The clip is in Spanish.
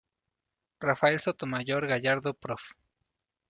Rafael Sotomayor Gallardo, Prof.